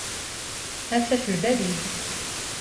Ata ɣef lbal-iw.